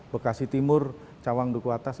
bekasi timur cawang duku atas